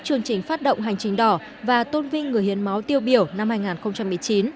chương trình phát động hành trình đỏ và tôn vinh người hiến máu tiêu biểu năm hai nghìn một mươi chín